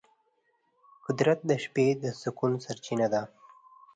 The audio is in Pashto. قدرت د شپې د سکون سرچینه ده.